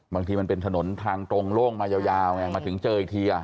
บางทีมันเป็นถนนทางตรงโล่งมายาวไงมาถึงเจออีกที